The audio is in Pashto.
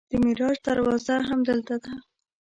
د معراج دروازه همدلته ده.